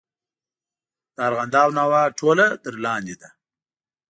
د ارغنداب ناوه ټوله تر لاندې ده.